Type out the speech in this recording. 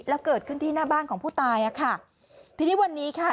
แล้วเกิดขึ้นที่หน้าบ้านของผู้ตายอ่ะค่ะทีนี้วันนี้ค่ะ